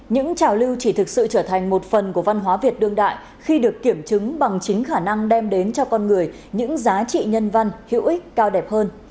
những trào lưu chỉ thực sự trở thành một phần của văn hóa việt đương đại khi được kiểm chứng bằng chính khả năng đem đến cho con người những giá trị nhân văn hữu ích cao đẹp hơn